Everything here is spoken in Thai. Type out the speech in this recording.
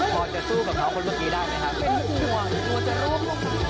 พอจะสู้กับเขาคนเมื่อกี้ได้ไหมครับ